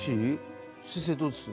先生どうです？